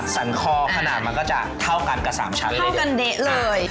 สันคอขนาดมันก็จะเท่ากันกับสามชั้นเลยกันเด๊ะเลย